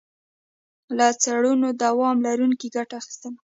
له څړونو دوام لرونکي ګټه اخیستنه.